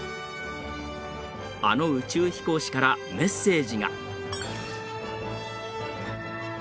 あの宇宙飛行士からメッセージが。